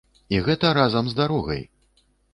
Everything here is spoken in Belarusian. І гэта разам з дарогай!